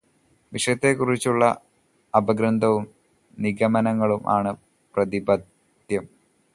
വിഷയത്തെക്കുറിച്ചുള്ള അപഗ്രഥനവും നിഗമനങ്ങളും ആണ് പ്രതിപാദ്യം.